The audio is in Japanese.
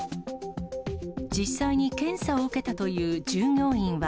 実際に検査を受けたという従業員は。